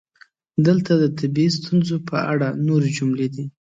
دلته د طبیعي ستونزو په اړه نورې جملې دي: